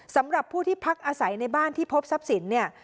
สำหรับผู้ที่พักอาศัยในบ้านที่พบทรัพย์สินเนี่ย